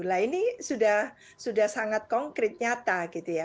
nah ini sudah sangat konkret nyata gitu ya